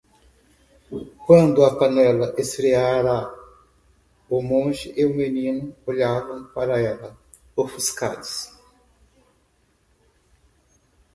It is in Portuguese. Quando a panela esfriara?, o monge e o menino olhavam para ela,? ofuscados.